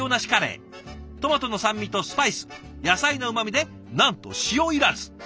トマトの酸味とスパイス野菜のうまみでなんと塩いらず。